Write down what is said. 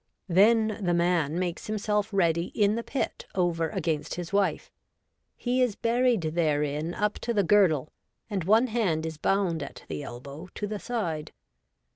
Then the man makes himself ready in the pit over against his wife. He is buried therein up to the girdle, and .one hand is bound at the elbow to the side.'